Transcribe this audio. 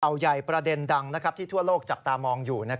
เอาใหญ่ประเด็นดังที่ทั่วโลกจับตามองอยู่